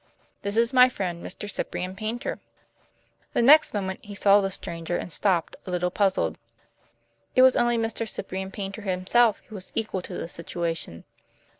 "This is my friend, Mr. Cyprian Paynter." The next moment he saw the stranger and stopped, a little puzzled. It was only Mr. Cyprian Paynter himself who was equal to the situation.